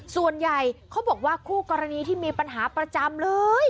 ส่วนใหญ่เขาบอกว่าคู่กรณีที่มีปัญหาประจำเลย